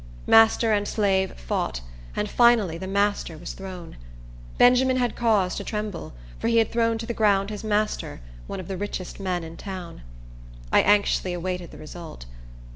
Master and slave fought, and finally the master was thrown. Benjamin had cause to tremble; for he had thrown to the ground his master—one of the richest men in town. I anxiously awaited the result.